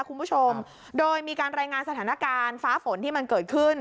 คุณผู้ชมโดยมีการรายงานสถานการณ์ฟ้าฝนที่มันเกิดขึ้น